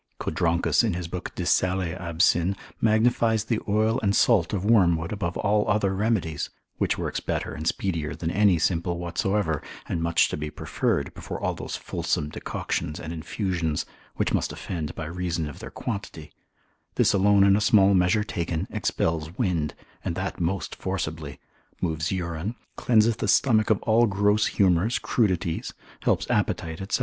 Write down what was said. Codronchus in his book de sale absyn. magnifies the oil and salt of wormwood above all other remedies, which works better and speedier than any simple whatsoever, and much to be preferred before all those fulsome decoctions and infusions, which must offend by reason of their quantity; this alone in a small measure taken, expels wind, and that most forcibly, moves urine, cleanseth the stomach of all gross humours, crudities, helps appetite, &c.